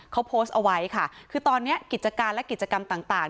เขาโพสต์เอาไว้ค่ะคือตอนนี้กิจการและกิจกรรมต่าง